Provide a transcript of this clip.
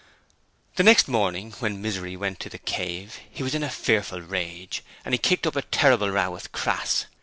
The next morning, when Misery went to the 'Cave', he was in a fearful rage, and he kicked up a terrible row with Crass.